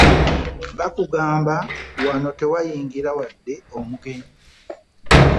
Baakugamba wano tewayingira wadde omugenyi.